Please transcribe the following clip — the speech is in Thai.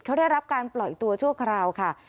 เขาได้รับการปล่อยตัวชั่วคราวค่ะ